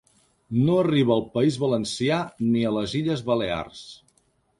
No arriba al País Valencià ni a les Illes Balears.